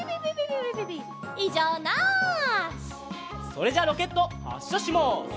それじゃロケットはっしゃします。